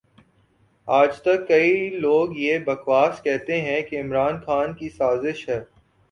اجتک کئئ لوگ یہ بکواس کہتے ھیں کہ عمران خان کی سازش ھے